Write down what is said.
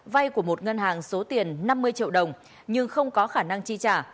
vay của một ngân hàng số tiền năm mươi triệu đồng nhưng không có khả năng chi trả